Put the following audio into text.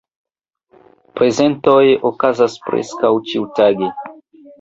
Prezentoj okazas preskaŭ ĉiutage.